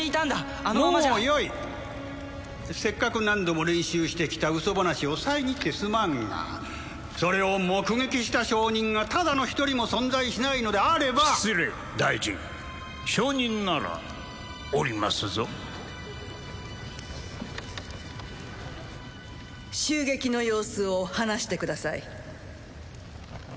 あのままじゃもうよいせっかく何度も練習してきた嘘話を遮ってすまんがそれを目撃した証人がただの一人も存在しないのであれば失礼大臣証人ならおりますぞ襲撃の様子を話してください